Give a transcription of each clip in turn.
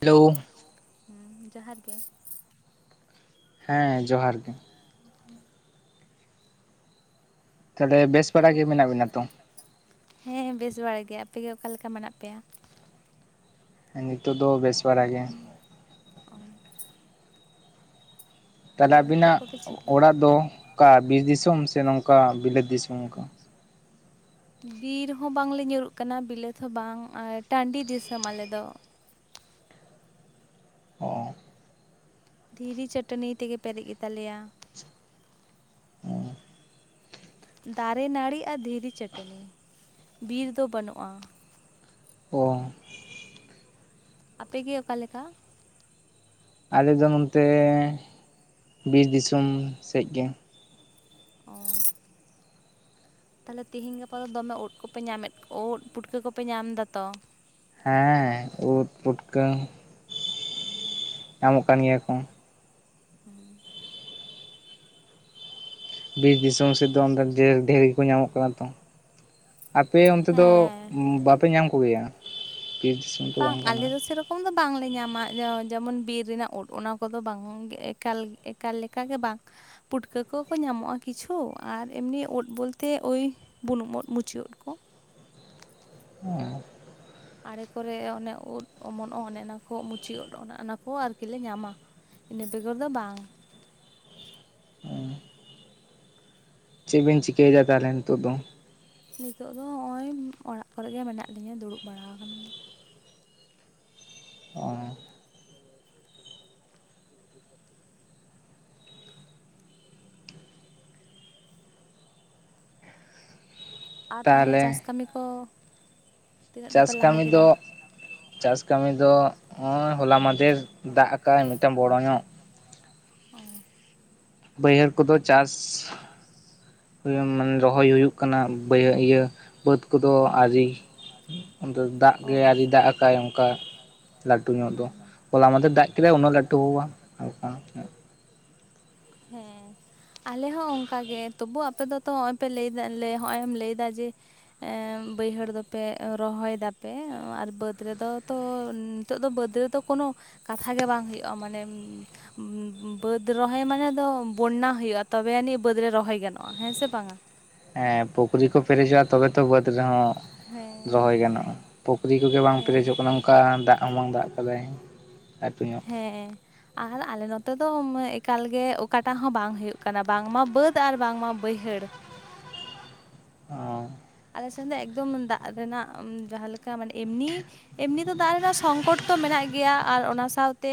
Hello ᱦᱮᱸ ᱡᱚᱦᱟᱨ ᱜᱮ ᱦᱮᱸ ᱡᱚᱦᱟᱨ ᱜᱮ ᱛᱟᱦᱚᱞᱮ ᱵᱮᱥ ᱪᱮᱫ ᱵᱟᱲᱟ ᱠᱚ ᱜᱮ ᱢᱮᱱᱟᱜ ᱵᱤᱱᱟ ᱛᱚ? ᱦᱮᱸ ᱵᱮᱥ ᱵᱟᱲᱟ ᱜᱮᱭᱟ ᱟᱯᱮ ᱜᱮ ᱚᱠᱟ ᱞᱮᱠᱟ ᱢᱮᱱᱟᱜ ᱯᱮᱭᱟ? ᱱᱤᱛᱳᱜ ᱫᱚ ᱵᱮᱥ ᱵᱟᱲᱟ ᱜᱮ ᱚ ᱛᱟᱦᱞᱮ ᱫᱤᱭᱮ ᱪᱮᱫ ᱟᱹᱵᱤᱱᱟᱜ ᱠᱚᱯᱮ ᱪᱤᱠᱟᱹ ᱚᱲᱟᱜ ᱫᱚ ᱚᱠᱟ ᱵᱤᱨ ᱫᱤᱥᱚᱢ ᱥᱮ ᱱᱚᱝᱠᱟ ᱵᱤᱞᱟᱹᱛ ᱫᱤᱥᱚᱢ ᱚᱱᱠᱟ? ᱵᱤᱨ ᱦᱚᱸ ᱵᱟᱝᱞᱮ ᱧᱩᱨᱩᱜ ᱠᱟᱱᱟ ᱵᱤᱞᱟᱹᱛ ᱦᱚᱸ ᱵᱟᱝ ᱟᱨ ᱴᱟᱺᱰᱤ ᱫᱤᱥᱚᱢ ᱟᱞᱮᱫ ᱫᱚ᱾ ᱚ ᱫᱷᱤᱨᱤ ᱪᱟᱹᱴᱟᱹᱱᱤ ᱛᱮᱜᱮ ᱯᱮᱨᱮᱡ ᱜᱮᱛᱟᱞᱮᱭᱟ᱾ ᱫᱟᱨᱮᱱᱟᱹᱲᱤ ᱟᱨ ᱫᱷᱤᱨᱤ ᱪᱟᱹᱴᱟᱹᱱᱤ ᱵᱤᱨ ᱫᱚ ᱵᱟᱹᱱᱩᱜᱼᱟ᱾ ᱚ ᱟᱯᱮ ᱜᱮ ᱚᱠᱟ ᱞᱮᱠᱟ? ᱟᱞᱮᱫᱚ ᱱᱚᱱᱛᱮ ᱵᱤᱨ ᱫᱤᱥᱚᱢ ᱥᱮᱫ ᱜᱮ᱾ ᱚ ᱛᱟᱦᱚᱞᱮ ᱛᱤᱦᱤᱧ ᱜᱟᱯᱟ ᱫᱚ ᱫᱚᱢᱮ ᱳᱫ ᱠᱚᱯᱮ ᱧᱟᱢᱮᱫ ᱳᱫ ᱯᱩᱴᱠᱟᱹ ᱠᱚᱯᱮ ᱧᱟᱢ ᱫᱟ ᱛᱚ? ᱦᱮᱸ ᱩᱫ ᱯᱩᱴᱠᱟᱹ [unintelligible] ᱧᱟᱢᱚᱜ ᱠᱟᱱ ᱜᱮᱭᱟ ᱠᱚ, ᱦᱮᱸ ᱵᱤᱨ ᱫᱤᱥᱚᱢ ᱥᱮᱫ ᱫᱚ ᱰᱮᱨ ᱰᱷᱮᱨ ᱜᱮ ᱠᱚ ᱧᱟᱢᱚᱜ ᱠᱟᱱᱟ ᱛᱚ, ᱟᱯᱮ ᱚᱱᱛᱮ ᱫᱚ ᱦᱮᱸ ᱵᱟᱯᱮ ᱧᱟᱢ ᱠᱚ ᱜᱮᱭᱟ [unintelligible] ᱵᱟᱝ ᱟᱞᱮ ᱫᱚ ᱥᱮᱨᱚᱼᱼ ᱚᱢ ᱫᱚ ᱵᱟᱝᱞᱮ ᱧᱟᱢᱟ ᱡᱮᱢᱚᱱ ᱵᱤᱨ ᱨᱮᱱᱟᱜ ᱩᱫ ᱚᱱᱟ ᱠᱚᱫᱚ ᱵᱟᱝ ᱮᱠᱟᱞ ᱮᱠᱟᱞ ᱞᱮᱠᱟᱜᱮ ᱵᱟᱝ᱾ ᱯᱩᱴᱠᱟᱹ ᱠᱚᱠᱚ ᱧᱟᱢᱚᱜᱼᱟ ᱠᱤᱪᱷᱩ ᱟᱨ ᱮᱢᱱᱤ ᱳᱫ ᱵᱚᱞᱛᱮ ᱳᱭᱼᱼ ᱵᱩᱱᱩᱢ ᱳᱫ ᱢᱩᱪᱤ ᱳᱫ ᱠᱚᱼᱼ ᱚ᱾ ᱟᱲᱮ ᱠᱚᱨᱮ ᱚᱱᱮ ᱩᱫ ᱚᱢᱚᱱᱚᱜᱼᱟ, ᱚᱱᱮ ᱚᱱᱟ ᱠᱚ ᱢᱩᱪᱤ ᱩᱫ ᱚᱱᱮ ᱚᱱᱟ ᱠᱚ ᱟᱨᱠᱤ ᱞᱮ ᱧᱟᱢᱟ᱾ ᱤᱱᱟᱹ ᱵᱮᱜᱚᱨ ᱫᱚ ᱵᱟᱝ᱾ ᱪᱮᱫ ᱵᱤᱱ ᱪᱤᱠᱟᱹᱭᱮᱫᱟ ᱛᱟᱦᱚᱞᱮ ᱱᱤᱛᱚᱜ ᱫᱚ? ᱱᱤᱛᱚᱜ ᱫᱚ ᱱᱚᱜᱼᱚᱭ ᱚᱲᱟᱜ ᱠᱚᱨᱮᱜ ᱜᱮ ᱢᱮᱱᱟᱜ ᱞᱤᱧᱟᱹ ᱫᱩᱲᱩᱵ ᱵᱟᱲᱟ ᱟᱠᱟᱱᱟ ᱞᱤᱧ᱾ ᱚ ᱟᱨ ᱛᱟᱦᱚᱞᱮ ᱪᱟᱥ ᱠᱟᱹᱢᱤ ᱠᱚ? ᱛᱤᱱᱟᱹᱜ ᱴᱟ ᱪᱟᱥ ᱯᱮ ᱞᱟᱦᱟ ᱠᱟᱹᱢᱤ ᱠᱮᱫᱟ ᱫᱚ ᱪᱟᱥ ᱠᱟᱹᱢᱤ ᱫᱚ ᱱᱚᱜᱼᱚᱭ ᱦᱚᱞᱟ ᱢᱟᱫᱷᱮᱨᱼᱼ ᱰᱮᱨ ᱫᱟᱜ ᱟᱠᱟᱜᱼᱟᱭ ᱢᱤᱫᱴᱟᱝ ᱵᱚᱲᱚ ᱧᱚᱜ᱾ ᱚ ᱵᱟᱹᱭᱦᱟᱹᱲ ᱠᱚᱫᱚ ᱪᱟᱥᱼᱼ ᱪᱟᱥᱼᱼ ᱢᱟᱱᱮ ᱨᱚᱦᱚᱭ ᱦᱩᱭᱩᱜ ᱠᱟᱱᱟ ᱵᱟᱹᱭᱦᱟᱹ ᱤᱭᱟᱹ ᱵᱟᱹᱫᱽ ᱠᱚᱫᱚ ᱟᱹᱣᱨᱤ᱾ ᱟᱫᱚ ᱫᱟᱜ ᱚ ᱜᱮ ᱟᱹᱣᱨᱤ ᱫᱟᱜ ᱟᱠᱟᱜ ᱟᱭ ᱚᱱᱠᱟ ᱞᱟᱹᱴᱩ ᱧᱚᱜ ᱫᱚ᱾ ᱦᱩᱸ ᱦᱚᱞᱟ ᱢᱟᱫᱷᱮᱨ ᱫᱟᱜ ᱠᱮᱫᱟᱭ ᱩᱱᱟᱹᱜ ᱞᱟᱹᱴᱩ ᱦᱚ ᱵᱟᱝ ᱦᱟᱞᱠᱟ ᱧᱚᱜ ᱾ ᱦᱮᱸ᱾ ᱟᱞᱮ ᱦᱚᱸ ᱚᱱᱠᱟ ᱜᱮ ᱛᱚᱵᱩ ᱟᱯᱮ ᱫᱚᱛᱚ ᱱᱚᱜᱼᱚᱭ ᱯᱮ ᱞᱟᱹᱭ ᱮᱫᱟ ᱱᱚᱜᱼᱚᱭ ᱮᱢ ᱞᱟᱹᱭᱫᱟ ᱡᱮᱼᱼ ᱵᱟᱹᱭᱦᱟᱹᱲ ᱫᱚᱯᱮ ᱨᱚᱦᱚᱭ ᱫᱟᱯᱮ ᱟᱨ ᱵᱟᱹᱫᱽ ᱨᱮᱫᱚ ᱛᱚᱼᱼ ᱱᱤᱛᱚᱜ ᱫᱚ ᱵᱟᱹᱫᱽ ᱨᱮᱫᱚ ᱠᱳᱱᱳ ᱠᱟᱛᱷᱟ ᱜᱮ ᱵᱟᱝ ᱦᱩᱭᱩᱜᱼᱟ, ᱢᱟᱱᱮ ᱵᱟᱹᱫᱽ ᱨᱚᱦᱚᱭ ᱢᱟᱱᱮᱼᱼ ᱫᱚ ᱵᱚᱱᱱᱟ ᱦᱩᱭᱩᱜᱼᱟ, ᱛᱚᱵᱮ ᱟᱹᱱᱤᱡ ᱵᱟᱹᱫᱽ ᱨᱮ ᱨᱚᱦᱚᱭ ᱜᱟᱱᱚᱜᱼᱟ ᱦᱮᱸ ᱥᱮ ᱵᱟᱝᱟ? ᱦᱮᱸ ᱯᱩᱠᱷᱨᱤ ᱠᱚ ᱯᱮᱨᱮᱡᱚᱜᱼᱟ ᱛᱚᱵᱮ ᱛᱚ ᱵᱟᱹᱫᱽ ᱨᱮᱦᱚᱸᱼᱼ ᱦᱮᱸ ᱨᱚᱦᱚᱭ ᱜᱟᱱᱚᱜᱼᱟ, ᱯᱩᱠᱷᱨᱤ ᱠᱚᱜᱮ ᱵᱟᱝ ᱦᱮᱸ ᱯᱮᱨᱮᱡᱚᱜ ᱠᱟᱱᱟ ᱚᱱᱠᱟ, ᱫᱟᱜ ᱦᱚᱸ ᱵᱟᱝ ᱫᱟᱜ ᱠᱟᱫᱟᱭ᱾ ᱞᱟᱹᱴᱩ ᱧᱚᱜ ᱦᱮᱸ᱾ ᱟᱨ ᱟᱞᱮ ᱱᱚᱛᱮ ᱫᱚ ᱮᱠᱟᱞ ᱜᱮ ᱚᱠᱟᱴᱟᱜ ᱦᱚᱸ ᱵᱟᱝ ᱦᱩᱭᱩᱜ ᱠᱟᱱᱟ, ᱵᱟᱝᱢᱟ ᱵᱟᱹᱫᱽ ᱟᱨ ᱵᱟᱝᱢᱟ ᱵᱟᱹᱭᱦᱟᱹᱲ᱾ ᱚ᱾ ᱟᱞᱮ ᱥᱮᱱ ᱫᱚ ᱮᱠᱫᱚᱢ ᱫᱟᱜ ᱨᱮᱱᱟᱜ ᱡᱟᱦᱟᱸ ᱞᱮᱠᱟ ᱢᱟᱱᱮ ᱮᱢᱱᱤᱼᱼ ᱮᱢᱱᱤ ᱫᱚ ᱫᱟᱜ ᱨᱮᱱᱟᱜ ᱥᱚᱝᱠᱚᱴ ᱛᱚ ᱢᱮᱱᱟᱜ ᱜᱮᱭᱟ, ᱟᱨ ᱚᱱᱟ ᱥᱟᱶᱛᱮᱼᱼᱼ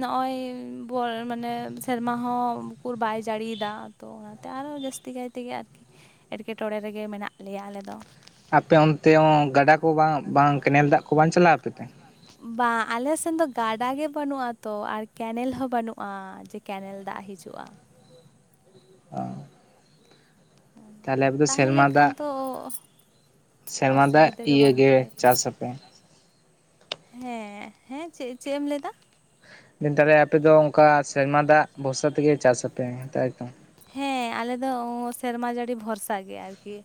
ᱱᱚᱜᱼᱚᱭ ᱵᱚ ᱢᱟᱱᱮ ᱥᱮᱨᱢᱟ ᱦᱚᱸ ᱩᱠᱩᱨ ᱵᱟᱭ ᱡᱟᱹᱲᱤᱭᱮᱫᱟ᱾ ᱛᱚ ᱚᱱᱟᱛᱮ ᱟᱨᱚ ᱡᱟᱹᱥᱛᱤ ᱠᱟᱭ ᱛᱮᱜᱮ ᱟᱨᱠᱤ ᱮᱴᱠᱮᱴᱚᱬᱮ ᱨᱮ ᱢᱮᱱᱟᱜ ᱞᱮᱭᱟ ᱟᱞᱮ ᱫᱚ᱾ ᱟᱯᱮ ᱚᱱᱛᱮ ᱦᱚᱸ ᱜᱟᱰᱟ ᱠᱚ ᱵᱟᱝ ᱵᱟᱝ ᱠᱮᱱᱮᱞ ᱫᱟᱜ ᱠᱚ ᱵᱟᱝ ᱪᱟᱞᱟᱜᱼᱟ ᱟᱯᱮ ᱛᱮ? ᱵᱟᱝ ᱟᱞᱮ ᱥᱮᱱ ᱫᱚ ᱜᱟᱰᱟ ᱜᱮ ᱵᱟᱹᱱᱩᱜ ᱟᱛᱚ ᱟᱨ ᱠᱮᱱᱮᱞ ᱦᱚᱸ ᱵᱟᱹᱱᱩᱜᱼᱟ᱾ ᱠᱮᱱᱮᱞ ᱫᱟᱜ ᱦᱤᱡᱩᱜᱼᱟ᱾ ᱚ᱾ ᱛᱟᱦᱚᱞᱮ ᱟᱯᱮ ᱫᱚ ᱛᱟᱦᱮᱸ ᱥᱮᱨᱢᱟ ᱞᱮᱱᱠᱷᱟᱱ ᱫᱟᱜ ᱛᱚᱼᱼ ᱥᱮᱨᱢᱟ ᱫᱟᱜ ᱤᱭᱟ. ᱜᱮ ᱪᱟᱥ ᱟᱯᱮ? ᱦᱮᱸ ᱦᱮᱸ ᱪᱮᱫ ᱪᱮᱫ ᱮᱢ ᱞᱟᱹᱭ ᱮᱫᱟ? ᱫᱤᱱ ᱛᱟᱦᱚᱞᱮ ᱟᱯᱮᱚ ᱚᱱᱠᱟ ᱥᱮᱨᱢᱟ ᱫᱟᱜ ᱵᱷᱚᱨᱥᱟ ᱛᱮᱜᱮ ᱪᱟᱥᱟᱯᱮ ᱛᱟᱭ ᱛᱚ? ᱦᱮᱸ ᱟᱞᱮ ᱫᱚ ᱥᱮᱨᱢᱟ ᱡᱟᱹᱲᱤ ᱵᱷᱚᱨᱥᱟ ᱜᱮ ᱟᱨᱠᱤ᱾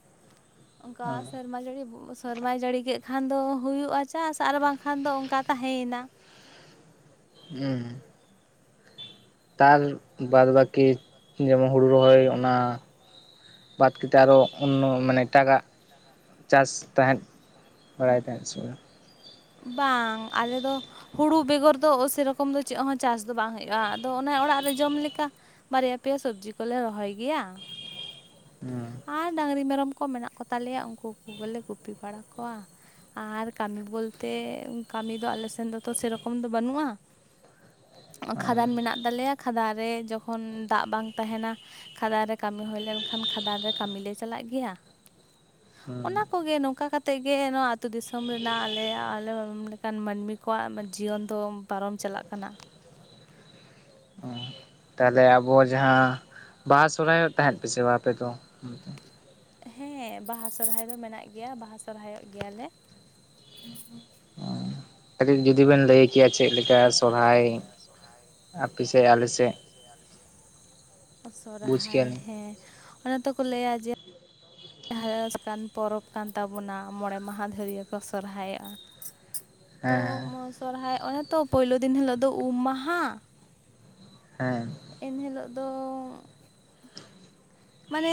ᱚᱱᱠᱟ ᱚ ᱥᱮᱨᱢᱟ ᱡᱟᱹᱲᱤᱼᱼ ᱥᱮᱨᱢᱟᱭ ᱡᱟᱹᱲᱤ ᱠᱮᱫ ᱠᱷᱟᱱ ᱫᱚ ᱦᱩᱭᱩᱜᱼᱟ ᱪᱟᱥ ᱟᱨ ᱵᱟᱝᱠᱷᱟᱱ ᱫᱚ ᱚᱱᱠᱟ ᱛᱟᱦᱮᱸᱭᱮᱱᱟ᱾ ᱦᱩᱸ᱾ ᱛᱟᱨ ᱵᱟᱫ ᱵᱟᱹᱠᱤ ᱡᱮᱢᱚᱱ ᱦᱩᱲᱩ ᱨᱚᱦᱚᱭ, ᱚᱱᱟᱼᱼ ᱵᱟᱫ ᱠᱟᱛᱮᱫ ᱟᱨᱚ ᱚᱱᱱᱚ ᱢᱟᱱᱮ ᱮᱴᱟᱜᱟᱜ ᱪᱟᱥ ᱛᱟᱦᱮᱸᱫᱼᱼ ᱵᱟᱲᱟᱭ ᱛᱟᱦᱮᱸᱫ ᱥᱮ ᱵᱟᱝᱟ? ᱵᱟᱝ ᱟᱞᱮ ᱫᱚᱼᱼ ᱦᱩᱲᱩ ᱵᱮᱜᱚᱨ ᱫᱚ ᱥᱮᱨᱚᱠᱚᱢ ᱫᱚ ᱪᱮᱫ ᱦᱚᱸ ᱪᱟᱥ ᱫᱚ ᱵᱟᱝ ᱦᱩᱭᱩᱜᱼᱟ, ᱟᱫᱚ ᱚᱱᱮ ᱚᱲᱟᱜ ᱨᱮ ᱡᱚᱢ ᱞᱮᱠᱟ ᱾ ᱵᱟᱨᱭᱟ ᱯᱮᱭᱟ ᱥᱚᱵᱽᱡᱤ ᱠᱚᱞᱮ ᱨᱚᱦᱚᱭ ᱜᱮᱭᱟ ᱾ ᱦᱩᱸ ᱾ ᱟᱨ ᱰᱟᱹᱝᱨᱤ ᱢᱮᱨᱚᱢ ᱠᱚ ᱢᱮᱱᱟᱜ ᱠᱚᱛᱟ ᱞᱮᱭᱟ ᱩᱱᱠᱩ ᱠᱚᱜᱮ ᱞᱮ ᱜᱩᱯᱤ ᱵᱟᱲᱟ ᱠᱚᱣᱟ ᱾ ᱟᱨ ᱠᱟᱹᱢᱤ ᱵᱚᱞᱛᱮ ᱠᱟᱹᱢᱤ ᱫᱚ ᱟᱞᱮ ᱥᱮᱱ ᱫᱚ ᱛᱚ ᱥᱮᱨᱚᱠᱚᱢ ᱫᱚ ᱵᱟᱱᱩᱜᱼᱟ ᱾ [inaudible] ᱠᱷᱟᱫᱟᱱ ᱢᱮᱱᱟᱜ ᱛᱟᱞᱮᱭᱟ ᱠᱷᱟᱫᱟᱱ ᱨᱮ ᱡᱚᱠᱷᱚᱱ ᱫᱟᱜ ᱵᱟᱝ ᱛᱟᱦᱮᱱᱟ ᱠᱷᱟᱫᱟᱱ ᱨᱮ ᱠᱟᱹᱢᱤ ᱦᱩᱭ ᱞᱮᱱᱠᱷᱟᱱ ᱠᱷᱟᱫᱟᱱ ᱨᱮ ᱠᱟᱹᱢᱤ ᱞᱮ ᱪᱟᱞᱟᱜ ᱜᱮᱭᱟ ᱦᱩᱸ ᱚᱱᱟ ᱠᱚᱜᱮ ᱱᱚᱝᱠᱟ ᱠᱟᱛ ᱛᱮᱜᱮ ᱱᱚᱣᱟ ᱟᱹᱛᱩ ᱫᱤᱥᱚᱢ ᱨᱮᱱᱟᱜ ᱟᱞᱮ ᱟᱞᱮ ᱞᱮᱠᱟᱱ ᱢᱟᱹᱱᱢᱤ ᱠᱚᱣᱟᱜ ᱡᱤᱭᱚᱱ ᱫᱚ ᱯᱟᱨᱚᱢ ᱪᱟᱞᱟᱜ ᱠᱟᱱᱟ ᱾ ᱚ ᱛᱟᱦᱚᱞᱮ ᱟᱵᱚ ᱡᱟᱦᱟᱸ ᱵᱟᱦᱟ ᱥᱚᱨᱦᱟᱭᱚᱜ ᱛᱟᱦᱮᱸᱫ ᱯᱮ ᱥᱮ ᱵᱟᱝ ᱟᱯᱮ ᱫᱚ? ᱦᱮᱸ ᱵᱟᱦᱟ ᱥᱚᱨᱦᱟᱭ ᱫᱚ ᱢᱮᱱᱟᱜ ᱜᱮᱭᱟ, ᱵᱟᱦᱟ ᱥᱚᱨᱦᱟᱭᱚᱜ ᱜᱮᱭᱟᱞᱮ ᱾ ᱠᱟᱹᱴᱤᱡ ᱡᱩᱫᱤ ᱵᱮᱱ ᱞᱟᱹᱭ ᱠᱮᱭᱟ, ᱪᱮᱫ ᱞᱮᱠᱟ ᱥᱚᱨᱦᱟᱭ? ᱟᱯᱮ ᱥᱮᱫ, ᱟᱞᱮ ᱥᱮᱫ ᱾ ᱵᱩᱡᱽ ᱥᱚᱨᱦᱟᱭ ᱠᱮᱭᱟᱞᱤᱧ ᱦᱮᱸ, ᱚᱱᱟ ᱛᱮᱠᱚ ᱞᱟᱹᱭᱟ ᱡᱮ ᱡᱟᱦᱟᱸᱠ [unintelligible] ᱯᱚᱨᱚᱵᱽ ᱠᱟᱱ ᱛᱟᱵᱚᱱᱟ ᱢᱚᱬᱮ ᱢᱟᱦᱟ ᱫᱷᱟᱹᱨᱭᱟᱹ ᱠᱚ ᱥᱚᱨᱦᱟᱭᱚᱜᱼᱟ ᱾ [inaudible] ᱛᱚ ᱥᱚᱨᱦᱟᱭ ᱚᱱᱮ ᱛᱚ ᱯᱳᱭᱞᱳ ᱫᱤᱱ ᱦᱤᱞᱳᱜ ᱫᱚ ᱩᱢ ᱢᱟᱦᱟ ᱾ ᱦᱮᱸ ᱾ ᱮᱱ ᱦᱤᱞᱳᱜ ᱫᱚ ᱢᱟᱱᱮ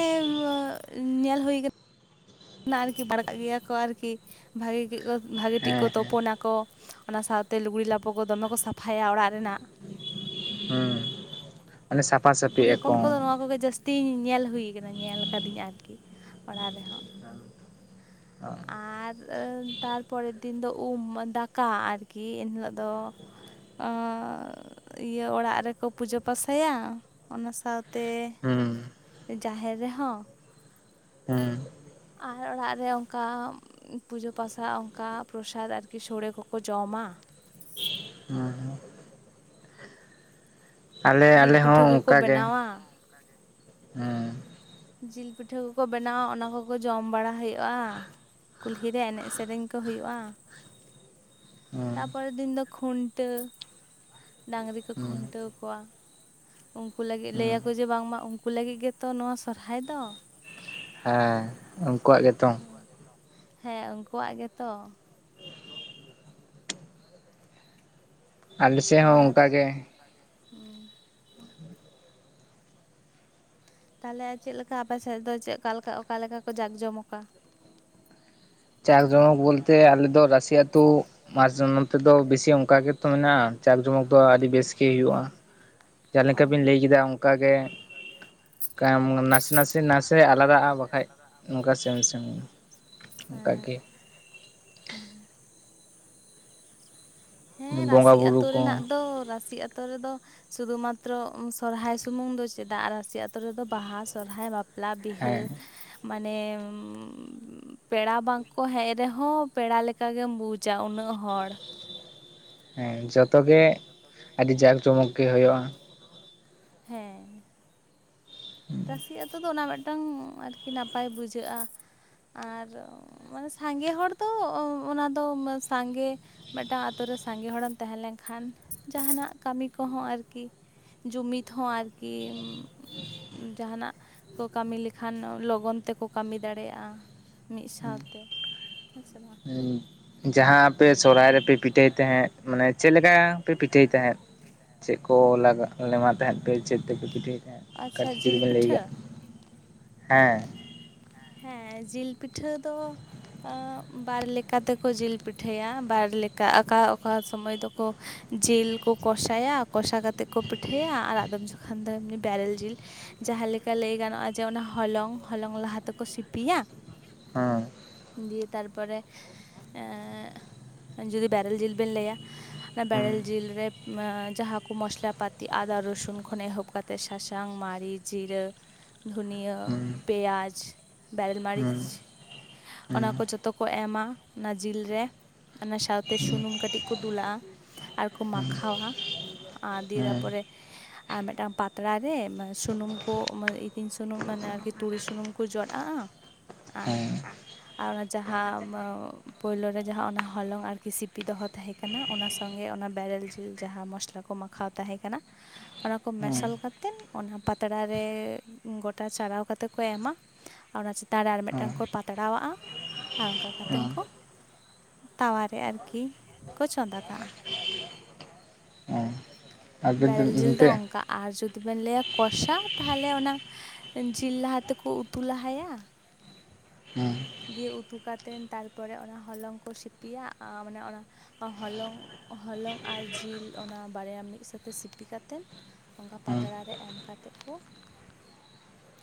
ᱧᱮᱞ ᱦᱩᱭ ᱠᱟᱱᱟ [unintelligible] ᱟᱨᱠᱤ ᱵᱟᱨ ᱠᱟᱜ ᱜᱮᱭᱟ ᱠᱚ ᱟᱨᱠᱤ ᱾ ᱵᱷᱟᱜᱮ ᱵᱷᱟᱜᱤ ᱴᱷᱤᱠ ᱠᱚ ᱦᱮᱸ ᱦᱮᱸ ᱛᱳᱯᱳᱱ ᱟᱠᱚ ᱾ ᱚᱱᱟ ᱥᱟᱶᱛᱮ ᱞᱩᱜᱽᱲᱤ ᱞᱟᱯᱚ ᱠᱚ ᱫᱚᱢᱮ ᱠᱚ ᱥᱟᱯᱷᱟᱭᱟ ᱚᱲᱟᱜ ᱨᱮᱱᱟᱜ ᱾ ᱦᱩᱸ ᱾ ᱢᱟᱱᱮ ᱥᱟᱯᱷᱟ ᱥᱟᱯ ᱠᱩᱲᱤ ᱦᱚᱯᱚᱱ ᱠᱚᱫᱚ ᱱᱚᱣᱟ ᱠᱚᱜᱮ ᱡᱟᱹᱥᱛᱤᱧ ᱧᱮᱞ ᱦᱩᱭ ᱟᱠᱟᱱᱟ ᱧᱮᱞ ᱠᱟᱹᱫᱤᱧ ᱟᱨᱠᱤ ᱚᱲᱟᱜ ᱨᱮᱦᱚᱸ ᱾ ᱦᱩᱸ ᱟᱨ ᱛᱟᱨᱯᱚᱨᱮᱨ ᱫᱤᱱ ᱫᱚ ᱩᱢ ᱫᱟᱠᱟ ᱟᱨᱠᱤ ᱮᱱ ᱦᱤᱞᱳᱜ ᱫᱚ ᱚᱸᱻ ᱤᱭᱟᱹ ᱚᱲᱟᱜ ᱨᱮᱠᱚ ᱯᱩᱡᱟᱹ ᱯᱟᱥᱟᱭᱟ ᱚᱱᱟ ᱥᱟᱶᱛᱮ ᱦᱩᱸ ᱾ ᱡᱟᱦᱮᱨ ᱨᱮᱦᱚᱸ ᱾ ᱦᱩᱸ ᱾ ᱟᱨ ᱚᱲᱟᱜ ᱨᱮ ᱚᱱᱠᱟ ᱯᱩᱡᱟᱹ ᱯᱟᱥᱟ ᱚᱱᱠᱟ ᱯᱨᱚᱥᱟᱫ ᱟᱨᱠᱤ ᱥᱚᱲᱮ ᱠᱚᱠᱚ ᱡᱚᱢᱟ ᱾ ᱦᱩᱸ ᱾ ᱟᱞᱮ ᱟᱞᱮ ᱡᱤᱞ ᱦᱚᱸ ᱯᱤᱴᱷᱟᱹ ᱠᱚᱠᱚ ᱚᱱᱠᱟᱜ ᱜᱮ ᱾ ᱵᱮᱱᱟᱣᱟ ᱦᱩᱸ ᱾ ᱡᱤᱞ ᱯᱤᱴᱷᱟᱹ ᱠᱚᱠᱚ ᱵᱮᱱᱟᱣᱟ ᱚᱱᱟ ᱠᱚᱠᱚ ᱡᱚᱢ ᱵᱟᱲᱟ ᱦᱳᱭᱳᱜ-ᱟ ᱾ ᱠᱩᱞᱦᱤ ᱨᱮ ᱮᱱᱮᱡ ᱥᱮᱨᱮᱧ ᱠᱚ ᱦᱩᱭᱩᱜ-ᱟ ᱾ [inaudible] ᱛᱟ ᱯᱚᱨᱮᱨ ᱫᱤᱱ ᱫᱚ ᱠᱷᱩᱱᱴᱟᱹᱣ ᱰᱟᱝᱨᱤ ᱠᱚ ᱦᱩᱸ ᱠᱷᱩᱱᱴᱟᱹᱣ ᱠᱚᱣᱟ ᱾ ᱩᱱᱠᱩ ᱞᱟᱹᱜᱤᱫ ᱞᱟᱹᱭ ᱦᱩᱸ ᱟᱠᱚ ᱡᱮ ᱵᱟᱝᱢᱟ ᱩᱱᱠᱩ ᱞᱟᱹᱜᱤᱫ ᱜᱮᱛᱚ ᱱᱚᱣᱟ ᱥᱚᱨᱦᱟᱭ ᱫᱚ ᱾ ᱦᱮᱸ ᱩᱱᱠᱩᱣᱟᱜ ᱜᱮᱛᱚ ᱾ ᱩᱱᱠᱩᱣᱟᱜ ᱜᱮᱛᱚ ᱾ ᱦᱮᱸ ᱩᱱᱠᱩᱣᱟᱜ ᱜᱮᱛᱚ ᱾ ᱟᱞᱮ ᱥᱮᱫ ᱦᱚᱸ ᱚᱱᱠᱟ ᱜᱮ ᱾ ᱩᱸ ᱾ ᱛᱟᱦᱚᱞᱮ ᱪᱮᱫ ᱞᱮᱠᱟ ᱟᱯᱮ ᱥᱮᱫ ᱫᱚ ᱪᱮᱫ ᱚᱠᱟ ᱞᱮᱠᱟ ᱚᱠᱟ ᱞᱮᱠᱟ ᱠᱚ ᱡᱟᱠ ᱡᱚᱢᱠᱟ? ᱪᱟᱠ ᱡᱚᱢᱚᱠ ᱵᱚᱞᱛᱮ ᱟᱞᱮ ᱫᱚ ᱨᱟᱥᱤ ᱟᱛᱳ ᱢᱟᱨᱥ [unintelligible] ᱱᱚᱱᱛᱮ ᱫᱚ ᱵᱮᱥᱤ ᱚᱱᱠᱟ ᱜᱮᱛᱚ ᱢᱮᱱᱟᱜ-ᱟ ᱡᱟᱠ ᱡᱚᱢᱚᱠ ᱫᱚ ᱟᱹᱰᱤ ᱵᱮᱥ ᱜᱮ ᱦᱩᱭᱩᱜ-ᱟ ᱾ ᱡᱟᱦᱟᱸ ᱚ ᱞᱮᱠᱟ ᱵᱤᱱ ᱞᱟᱹᱭ ᱠᱮᱫᱟ ᱚᱱᱠᱟ ᱜᱮ ᱾ ᱠᱟᱢ ᱱᱟᱥᱮ ᱱᱟᱥᱮ ᱱᱟᱥᱮ ᱟᱞᱟᱫᱟᱜ-ᱟ ᱵᱟᱠᱷᱟᱡ ᱱᱚᱝᱠᱟ ᱥᱮᱢ ᱥᱮᱱ ᱦᱮᱸ ᱩᱸᱻ ᱦᱮᱸ ᱵᱚᱸᱜᱟ ᱨᱟᱹᱥᱤ ᱵᱩᱨᱩ ᱟᱹᱛᱳ ᱨᱮᱱᱟᱜ ᱠᱚ ᱫᱚ ᱨᱟᱥᱤ ᱟᱹᱛ ᱛᱳ ᱨᱮᱫᱚ ᱥᱩᱫᱷᱩ ᱢᱟᱛᱨᱚ ᱥᱚᱨᱦᱟᱭ ᱥᱩᱢᱩᱝ ᱫᱚ ᱪᱮᱫᱟᱜ ᱨᱟᱥᱤ ᱟᱛᱳ ᱨᱮᱫᱚ ᱵᱟᱦᱟ ᱥᱚᱨᱦᱟᱭ ᱵᱟᱯ ᱞᱟ ᱵᱤᱦᱟᱹ ᱦᱮᱸ ᱢᱟᱱᱮ ᱩᱸᱻᱻᱻ ᱩᱸᱻᱜ ᱯᱮᱲᱟ ᱵᱟᱝᱠᱚ ᱦᱮᱡ ᱨᱮᱦᱚᱸ ᱯᱮᱲᱟ ᱞᱮᱠᱟ ᱜᱮᱢ ᱵᱩᱡᱟ ᱩᱱᱟᱹᱜ ᱦᱚᱲ ᱦᱮᱸ ᱡᱚᱛᱚ ᱜᱮ ᱟᱹᱰᱤ ᱡᱟᱠ ᱡᱚᱢᱚᱠ ᱜᱮ ᱦᱩᱭᱩᱜ-ᱟ ᱦᱮᱸ ᱨᱟᱹᱥᱤ ᱟᱛᱳ ᱫᱚ ᱚᱱᱟ ᱢᱤᱫᱴᱟᱝ ᱟᱨᱠᱤ ᱱᱟᱯᱟᱭ ᱵᱩᱡᱷᱟᱹᱜ-ᱟ ᱟᱨ ᱢᱟᱱᱮ ᱥᱟᱸᱜᱮ ᱦᱚᱲ ᱫᱚ ᱚ ᱚᱱᱟ ᱫᱚ ᱥᱟᱸᱜᱮ ᱢᱤᱫᱴᱟᱱ ᱟᱛᱳ ᱨᱮ ᱥᱟᱸᱜᱮ ᱦᱚᱲᱮᱢ ᱛᱟᱦᱮᱸ ᱞᱮᱱᱠᱷᱟᱱ ᱡᱟᱦᱟᱱᱟᱜ ᱠᱟᱹᱢᱤ ᱠᱚᱦᱚᱸ ᱟᱨᱠᱤ ᱡᱩᱢᱤᱫ ᱦᱚᱸ ᱟᱨᱠᱤᱢ ᱡᱟᱦᱟᱱᱟᱜ ᱠᱚ ᱠᱟᱹᱢᱤ ᱞᱮᱠᱷᱟᱱ ᱞᱚᱜᱚᱱ ᱛᱮᱠᱚ ᱠᱟᱹᱢᱤ ᱫᱟᱲᱮᱭᱟᱜ-ᱟ ᱢᱤᱫ ᱥᱟᱶᱛᱮ ᱦᱮᱸ ᱥᱮ ᱵᱟᱝ ᱦᱩᱸ ᱡᱟᱦᱟᱸ ᱟᱯᱮ ᱥᱚᱦᱨᱟᱭ ᱨᱮᱯᱮ ᱯᱤᱴᱷᱟᱹᱭ ᱛᱟᱦᱮᱸᱫ ᱢᱟᱱᱮ ᱪᱮᱫ ᱞᱮᱠᱟ ᱯᱮ ᱯᱤᱴᱷᱟᱹᱭ ᱛᱟᱦᱮᱸᱫ ᱪᱮᱫ ᱠᱚ ᱞᱟᱜᱟᱜ ᱞᱮᱢᱟᱜ ᱛᱟᱦᱮᱸᱫ ᱯᱮ ᱪᱮᱫ ᱛᱮᱯᱮ ᱯᱤᱴᱷᱟᱹᱭ ᱜᱮᱭᱟ ᱟᱪᱪᱷᱟ ᱠᱟᱹᱴᱤᱡ ᱡᱩᱫᱤ ᱡᱤᱞ ᱵᱮᱱ ᱞᱟᱹᱭ ᱟ ᱯᱤᱴᱷᱟᱹ ᱦᱮᱸ ᱦᱮᱸ ᱦᱮᱸ ᱡᱤᱞ ᱯᱤᱴᱷᱟᱹ ᱫᱚ ᱟᱹᱜ ᱵᱟᱨ ᱞᱮᱠᱟ ᱛᱮᱠᱚ ᱡᱤᱞ ᱯᱤᱴᱷᱟᱹᱭᱟ ᱵᱟᱨ ᱞᱮᱠᱟ ᱟᱠᱟ ᱚᱠᱟ ᱥᱚᱢᱚᱭ ᱫᱚ ᱠᱚ ᱡᱤᱞ ᱠᱚ ᱠᱚᱥᱟᱭᱟ ᱠᱚᱥᱟ ᱠᱟᱛᱮᱫ ᱠᱚ ᱯᱤᱴᱷᱟᱹᱭᱟ ᱟᱨ ᱟᱫᱚᱢ ᱡᱚᱠᱷᱚᱱ ᱫᱚ ᱮᱢᱱᱤ ᱵᱮᱨᱮᱞ ᱡᱤᱞ ᱡᱟᱦᱟᱸ ᱞᱮᱠᱟ ᱞᱟᱹᱭ ᱜᱟᱱᱚᱜ-ᱟ ᱡᱮ ᱚᱱᱟ ᱦᱚᱞᱚᱝ ᱦᱚᱞᱚᱝ ᱞᱟᱦᱟ ᱛᱮᱠᱚ ᱥᱤᱯᱤᱭᱟ ᱦᱮᱸ ᱫᱤᱭᱮ ᱛᱟᱨᱯᱚᱨᱮ ᱮᱸᱜ ᱡᱩᱫᱤ ᱵᱮᱨᱮᱞ ᱡᱤᱞ ᱵᱮᱱ ᱞᱟᱹᱭᱟ ᱦᱮᱸ ᱵᱮᱨᱮᱞ ᱡᱤᱞ ᱨᱮ ᱢᱟᱹ ᱡᱟᱦᱟᱸ ᱠᱚ ᱢᱚᱥᱞᱟ ᱯᱟᱟᱹᱛᱤ ᱟᱫᱟ ᱨᱚᱥᱩᱱ ᱠᱷᱚᱱ ᱮᱦᱚᱵ ᱠᱟᱛᱮᱮᱫ ᱥᱟᱥᱟᱝ ᱢᱟᱹᱨᱤᱪ ᱡᱤᱨᱟᱹ ᱫᱷᱩᱱᱤᱭᱟᱹᱟᱹ ᱯᱮᱸᱭᱟᱡᱽ ᱵᱮᱨᱮᱞ ᱢᱟᱹᱨᱤᱪ ᱦᱮᱸ ᱦᱮᱸ ᱦᱮᱸ ᱚᱱᱟ ᱠᱚ ᱡᱚᱛᱚ ᱠᱚ ᱮᱢᱟ ᱚᱱᱟ ᱡᱤᱞᱨᱮ ᱚᱱᱟ ᱥᱟᱶᱛᱮ ᱦᱮᱸ ᱦᱮᱸ ᱦᱮᱸ ᱥᱩᱱᱩᱢ ᱠᱟᱹᱴᱤᱡ ᱠᱚ ᱫᱩᱞᱟᱜᱼᱟ ᱟᱨᱠᱚ ᱢᱟᱠᱷᱟᱣᱟ ᱟᱸᱻᱫᱤᱭᱮ ᱦᱮᱸ ᱛᱟᱨᱯᱚᱨᱮ ᱟᱨ ᱢᱤᱫᱴᱟᱝ ᱯᱟᱛᱲᱟ ᱨᱮ ᱥᱩᱱᱩᱢ ᱠᱚ ᱢᱟᱹ ᱤᱛᱤᱧ ᱥᱩᱱᱩᱢ ᱢᱟᱱᱮ ᱟᱨᱠᱤ ᱛᱩᱲᱤ ᱥᱩᱱᱩᱢ ᱠᱩ ᱡᱚᱫᱟᱜᱼᱟ ᱟᱨ ᱦᱮᱸ ᱦᱮᱸ ᱦᱮᱸ ᱟᱨ ᱚᱱᱟ ᱡᱟᱦᱟᱸ ᱵᱟᱹᱵ ᱯᱳᱭᱞᱳ ᱨᱮ ᱡᱟᱦᱟᱸ ᱚᱱᱟ ᱦᱚᱞᱚᱝ ᱟᱨᱠᱤ ᱥᱤᱯᱤ ᱫᱚᱦᱚ ᱛᱟᱦᱮᱸ ᱠᱟᱱᱟ ᱚᱱᱟ ᱥᱚᱸᱜᱮ ᱚᱱᱟ ᱵᱮᱨᱮᱞ ᱡᱤᱞ ᱡᱟᱦᱟᱸ ᱢᱚᱥᱞᱟ ᱠᱚ ᱢᱟᱠᱷᱟᱣ ᱛᱟᱦᱮᱸ ᱠᱟᱱᱟ ᱚᱱᱟ ᱠᱚ ᱢᱮᱥᱟᱞ ᱠᱟᱛᱮᱮᱫ ᱚᱱᱟ ᱯᱟᱛᱲᱟ ᱨᱮ ᱜᱚᱴᱟ ᱪᱟᱨᱟᱣ ᱠᱟᱛᱮ ᱠᱚ ᱮᱢᱟ ᱟᱨ ᱚᱱᱟ ᱪᱮᱛᱟᱱ ᱨᱮ ᱟᱨ ᱢᱤᱫᱴᱟᱝ ᱠᱚ ᱯᱟᱛᱲᱟᱜᱼᱟ ᱟᱨ ᱚᱱᱠᱟ ᱠᱟᱛᱮᱱ ᱠᱚ ᱛᱣᱟᱟᱨᱮ ᱟᱨᱠᱤ ᱠᱚ ᱪᱚᱸᱫᱟ ᱠᱟᱜᱼᱟ ᱟᱵᱮᱱ ᱵᱮᱨᱮᱞ ᱡᱤᱞ ᱫᱚ ᱮᱱᱛᱮᱫ ᱚᱱᱠᱟᱜ ᱟᱨ ᱡᱩᱫᱤ ᱵᱮᱱ ᱞᱟᱹᱭᱟ ᱠᱚᱥᱟ ᱛᱟᱦᱚᱞᱮ ᱚᱱᱟ ᱡᱤᱞ ᱞᱟᱦᱟ ᱛᱮᱠᱚ ᱩᱛᱩ ᱞᱟᱦᱟᱭᱟ ᱦᱩᱸ ᱫᱤᱭᱮ ᱩᱛᱩ ᱠᱟᱛᱮᱮᱫ ᱛᱟᱨᱯᱚᱨᱮ ᱚᱱᱟ ᱦᱚᱞᱚᱝ ᱠᱚ ᱥᱤᱯᱤᱭᱟ ᱟᱸ ᱢᱟᱱᱮ ᱚᱱᱟ ᱦᱚᱞᱚᱝ ᱦᱚᱞᱚᱝ ᱟᱨ ᱡᱤᱞ ᱚᱱᱟ ᱵᱟᱨᱭᱟ ᱢᱤᱫ ᱥᱟᱛᱮ ᱥᱤᱯᱤ ᱠᱟᱛᱮᱫ ᱚᱱᱠᱟ ᱦᱮᱸ ᱯᱟᱛᱲᱟ ᱨᱮ ᱮᱢ ᱠᱟᱛᱮᱱ ᱠᱩ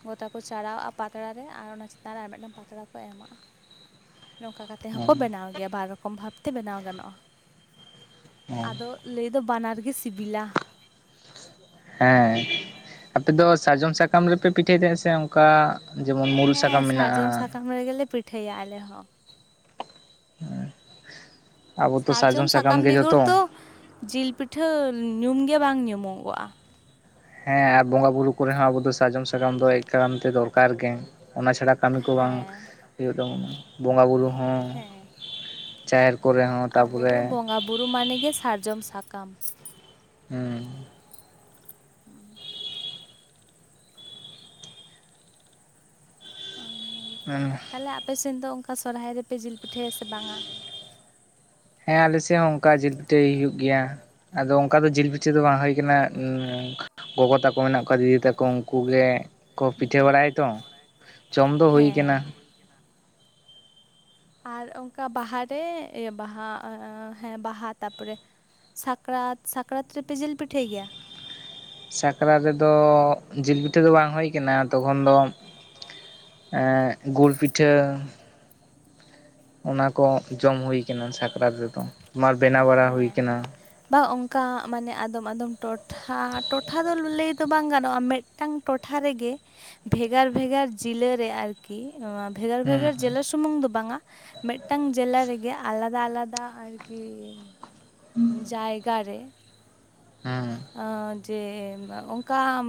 ᱜᱚᱛᱟ ᱠᱚ ᱪᱟᱨᱟᱣ ᱟᱜᱼᱟ ᱯᱟᱛᱲᱟ ᱨᱮ ᱟᱨ ᱚᱱᱟ ᱪᱮᱛᱟᱱ ᱨᱮ ᱟᱨ ᱢᱤᱫᱴᱟᱱ ᱯᱟᱛᱲᱟ ᱠᱚ ᱮᱢᱟᱜᱼᱟ ᱱᱚᱝᱠᱟ ᱠᱟᱛᱮᱜ ᱦᱚᱸᱠᱚ ᱦᱮᱸ ᱵᱮᱱᱟᱣ ᱜᱮᱭᱟ ᱵᱟᱨ ᱨᱚᱠᱚᱢ ᱵᱷᱟᱵᱛᱮ ᱵᱮᱱᱟᱣ ᱜᱟᱱᱚᱜᱼᱟ᱾ ᱦᱮᱸ ᱟᱫᱚ ᱞᱟᱹᱭ ᱫᱚ ᱵᱟᱱᱟᱨ ᱜᱮ ᱥᱤᱵᱤᱞᱟ ᱦᱮᱸ ᱟᱯᱮ ᱫᱚ ᱥᱟᱨᱡᱚᱢ ᱥᱟᱠᱟᱢ ᱨᱮᱯᱮ ᱯᱤᱴᱷᱟᱹᱭ ᱛᱮᱦᱮᱸ ᱥᱮ ᱚᱱᱠᱟ ᱡᱮᱢᱚᱱ ᱢᱩᱲᱩ ᱥᱟᱠᱟᱢ ᱢᱮᱱᱟᱜᱼᱟ ᱢᱟᱹᱭ ᱜᱮ ᱞᱮ ᱯᱤᱴᱷᱟᱹᱭᱟ ᱟᱞᱮ ᱦᱚᱸ ᱟᱵᱚ ᱛᱚ ᱥᱟᱨᱡᱚᱢ ᱥᱟᱠᱟᱢ ᱜᱮ ᱵᱮᱜᱚᱨ ᱡᱚᱛᱚ ᱫᱚ ᱡᱤᱞ ᱯᱤᱴᱷᱟᱹ ᱧᱩᱢᱜᱮ ᱵᱟᱝ ᱧᱩᱢᱚᱜᱚᱜᱼᱟ ᱦᱮᱸ ᱟᱨ ᱵᱚᱸᱜᱟ ᱵᱩᱨᱩ ᱠᱚᱨᱮ ᱦᱚᱸ ᱟᱵᱚ ᱫᱚ ᱥᱟᱡᱚᱢ ᱥᱟᱠᱟᱢ ᱫᱚ ᱮ ᱠᱟᱱ ᱛᱮ ᱫᱚᱨᱠᱟᱨ ᱜᱮ ᱚᱱᱟ ᱪᱷᱟᱲᱟ ᱠᱟᱹᱢᱤ ᱠᱚ ᱵᱟᱝ ᱦᱮᱸ ᱦᱩᱭᱩᱜ ᱛᱟᱵᱚᱱᱟ, ᱵᱚᱸᱜᱟ ᱵᱩᱨᱩᱼᱼ ᱦᱚᱸ, ᱦᱮᱸ ᱪᱟᱨ [unintelligible] ᱟᱵᱚ ᱫᱚ ᱵᱚᱸᱜᱟ ᱵᱩᱨᱩ ᱢᱟᱱᱮᱜᱮ ᱥᱟᱨᱡᱚᱢ ᱥᱟᱠᱟᱢ ᱾ ᱦᱮᱸ ᱚᱱᱟᱜᱮ [inaudible] ᱛᱟᱦᱚᱞᱮ ᱟᱯᱮᱥᱮᱱ ᱫᱚ ᱚᱱᱠᱟ ᱥᱚᱨᱦᱟᱭ ᱨᱮᱯᱮ ᱡᱤᱞ ᱯᱤᱴᱷᱟᱹᱭᱟ ᱥᱮ ᱵᱟᱝᱟ? ᱦᱮᱸ ᱟᱞᱮᱥᱮᱱ ᱦᱚᱸ ᱚᱱᱠᱟ ᱡᱤᱞ ᱯᱤᱴᱷᱟᱹᱭ ᱦᱩᱭᱩᱜ ᱜᱮᱭᱟ, ᱟᱫᱚ ᱚᱱᱠᱟ ᱫᱚ ᱡᱤᱞᱼᱼ ᱪᱮᱫ ᱫᱚ ᱵᱟᱝ ᱦᱩᱭ ᱟᱠᱟᱱᱟ [unintelligible] ᱜᱚᱜᱚ ᱛᱟᱠᱚ ᱢᱮᱱᱟᱜ ᱠᱚᱣᱟ ᱫᱤᱫᱤ ᱛᱟᱠᱚ ᱩᱱᱠᱩ ᱜᱮᱼᱼ ᱠᱚ ᱯᱤᱴᱷᱟᱹ ᱵᱟᱲᱟᱭᱟᱭ ᱛᱚ, ᱡᱚᱢ ᱫᱚ ᱦᱩᱭ ᱠᱟᱱᱟ ᱡᱚᱢ ᱾ ᱟᱨ ᱚᱱᱠᱟ ᱵᱟᱦᱟᱨᱮ ᱮ ᱵᱟᱦᱟ ᱮ ᱮ ᱦᱮᱸ ᱵᱟᱦᱟ ᱛᱟᱨᱯᱚᱨᱮᱼᱼ ᱥᱟᱠᱨᱟᱛ, ᱥᱟᱠᱨᱟᱛ ᱨᱮᱯᱮ ᱡᱤᱞ ᱯᱤᱴᱷᱟᱹᱭ ᱜᱮᱭᱟ? ᱥᱟᱠᱨᱟᱛ ᱨᱮᱫᱚ ᱡᱤᱞ ᱯᱤᱴᱷᱟᱹ ᱫᱚ ᱵᱟᱝ ᱦᱩᱭ ᱠᱟᱱᱟ, ᱛᱚᱠᱷᱚᱱ ᱫᱚ ᱾ [unintelligible] ᱮᱸᱜ ᱜᱩᱲ ᱯᱤᱴᱷᱟᱹᱼᱼ ᱚᱱᱟ ᱠᱚ ᱡᱚᱢ ᱦᱩᱭ ᱠᱟᱱᱟ ᱥᱟᱠᱨᱟᱛ ᱨᱮᱫᱚ ᱾ [unintelligible] ᱦᱮᱸ ᱵᱟ ᱚᱱᱠᱟ ᱢᱟᱱᱮ ᱟᱫᱚᱢ ᱟᱫᱚᱢ ᱴᱚᱴᱷᱟ, ᱴᱚᱴᱷᱟ ᱫᱚ ᱞᱟᱹᱭ ᱫᱚ ᱵᱟᱝ ᱜᱟᱱᱚᱜᱼᱟ ᱢᱤᱫᱼᱼ ᱢᱤᱫᱴᱟᱝ ᱴᱚᱴᱷᱟ ᱨᱮᱜᱮ ᱵᱷᱮᱜᱟᱨ ᱵᱷᱮᱜᱟᱨ ᱡᱤᱞᱟᱹ ᱨᱮ ᱟᱨᱠᱤᱼᱼ ᱟᱨᱠᱤ [unintelligible] ᱵᱷᱮᱜᱟᱨ ᱦᱩᱸ ᱵᱷᱮᱜᱟᱨ ᱦᱩᱸ ᱡᱮᱞᱟ ᱥᱩᱢᱩᱝ ᱫᱚ ᱵᱟᱝᱟᱼᱼ ᱢᱤᱫᱴᱟᱝ ᱡᱮᱞᱟ ᱨᱮᱜᱮ ᱟᱞᱟᱫᱟ ᱟᱞᱟᱫᱟ ᱟᱨᱠᱤ ᱾ ᱡᱟᱭᱜᱟ ᱨᱮ ᱦᱮᱸ ᱡᱮ ᱚᱱᱠᱟᱼᱼ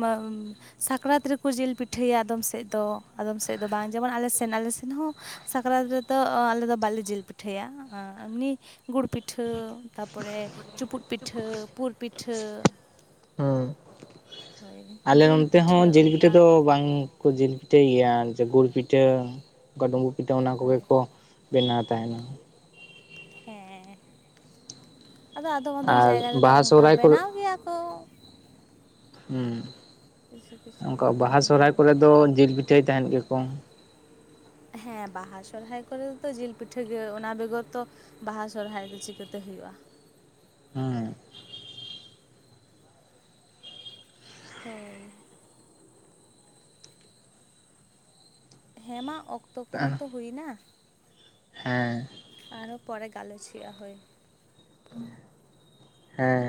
ᱥᱟᱠᱨᱟᱛ ᱨᱮᱠᱚ ᱡᱤᱞ ᱯᱤᱴᱷᱟᱹᱭᱟ ᱟᱫᱚᱢ ᱥᱮᱫ ᱫᱚ, ᱟᱫᱚᱢ ᱥᱮᱫ ᱫᱚ ᱵᱟᱝ ᱡᱮᱢᱚᱱ ᱟᱞᱮ ᱥᱮᱱ ᱟᱞᱮ ᱥᱮᱱ ᱦᱚᱸ ᱾ ᱥᱟᱠᱨᱟᱛ ᱨᱮᱫᱚ ᱟᱞᱮ ᱫᱚ ᱵᱟᱞᱮ ᱡᱤᱞ ᱯᱤᱴᱷᱟᱹᱭᱟ ᱦᱮᱸ ᱮᱢᱱᱤᱼᱼ ᱜᱩᱲ ᱯᱤᱴᱷᱟᱹ, ᱛᱟᱯᱚᱨᱮ ᱪᱩᱯᱩᱫ ᱯᱤᱴᱷᱟᱹ, ᱯᱩᱨ ᱯᱤᱴᱷᱟᱹ ᱾ ᱦᱳᱭ ᱟᱞᱮ ᱫᱩᱞ ᱱᱚᱱᱛᱮ ᱦᱚᱸ ᱡᱤᱞ ᱯᱤᱴᱷᱟᱹ ᱚᱱᱠᱟ ᱫᱚ ᱵᱟᱝ ᱾ ᱠᱚ ᱡᱤᱞ ᱯᱤᱴᱷᱟᱹᱭ ᱜᱮᱭᱟ, ᱡᱮ ᱜᱩᱲ ᱯᱤᱴᱷᱟᱹ ᱚᱱᱠᱟ ᱰᱩᱸᱵᱩᱜ ᱯᱤᱴᱷᱟᱹ ᱚᱱᱟ ᱠᱚᱜᱮ ᱦᱳᱭ ᱠᱚᱼᱼ ᱵᱮᱱᱟᱣ ᱛᱟᱦᱮᱱᱟ ᱾ ᱦᱮᱸ ᱦᱮᱸ, ᱟᱫᱚ ᱟᱫᱚᱢ ᱟᱫᱚᱢ ᱟᱨ ᱡᱟᱭᱜᱟ ᱨᱮᱫᱚ ᱵᱟᱦᱟ ᱚᱱᱠᱟ ᱥᱚᱦᱨᱟᱭ ᱠᱚᱨᱮ ᱵᱮᱱᱟᱣ ᱜᱮᱭᱟ ᱠᱚ ᱾ [unintelligible] ᱠᱤᱪᱷᱩ ᱦᱮᱸ ᱠᱤᱪᱷᱩ ᱚᱱᱠᱟ ᱦᱚᱲ ᱫᱚ ᱵᱟᱦᱟ ᱥᱚᱦᱨᱟᱭ ᱦᱮᱸ ᱠᱚᱨᱮ ᱫᱚ ᱡᱤᱞ ᱯᱤᱴᱷᱟᱹᱭ ᱛᱟᱸᱦᱮᱫ ᱜᱮᱠᱚ ᱾ ᱦᱮᱸ ᱵᱟᱦᱟ ᱥᱚᱨᱦᱟᱭ ᱠᱚᱨᱮ ᱫᱚ ᱛᱚ ᱡᱤᱞ ᱯᱤᱴᱷᱟᱹ ᱜᱮ ᱚᱱᱟ ᱵᱮᱜᱚᱨ ᱛᱚᱼᱼ ᱵᱟᱦᱟ ᱥᱚᱨᱦᱟᱭ ᱫᱚ ᱪᱤᱠᱟᱹᱛᱮ ᱦᱩᱭᱩᱜᱼᱟ ᱾ ᱦᱩᱸ ᱦᱳᱭ ᱦᱮ ᱢᱟ ᱚᱠᱛᱚ ᱠᱚᱦᱚᱸ ᱛᱚ ᱦᱩᱭ ᱱᱟ ᱾ ᱦᱮᱸ ᱟᱨᱦᱚᱸ ᱯᱚᱨᱮ ᱜᱟᱞᱚᱪ ᱦᱩᱭᱩᱜ-ᱟ ᱦᱳᱭ ᱾ [unintelligible] ᱦᱮᱸ